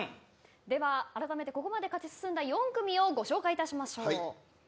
あらためてここまで勝ち進んだ４組をご紹介いたしましょう。